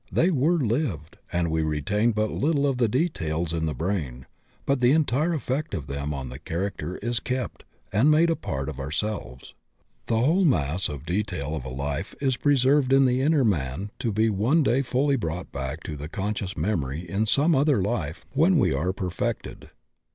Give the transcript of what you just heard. They were lived, and we retain but Uttle of the details in the brain, but the entire effect of them on the character is kept and made a part of ourselves. The whole mass of detail of a life is preserved in the inner man to be one day fully brought back to the conscious memory 76 THE OCEAN OF THEOSOPHY in some other life when we are perfected.